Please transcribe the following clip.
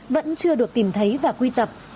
vẫn chưa được tìm thấy và quy tập